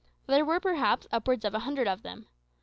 There were, perhaps, upwards of a hundred of them.